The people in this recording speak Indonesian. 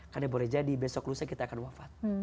karena boleh jadi besok lusa kita akan wafat